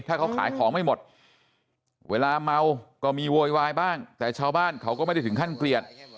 ถ้าเขาขายของไม่หมดเวลาเมาก็มีโวยวายบ้างแต่ชาวบ้านเขาก็ไม่ได้ถึงขั้นเกลียด